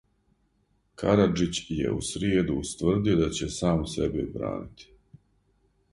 Карађић је у сриједу устврдио да ће сам себе бранити.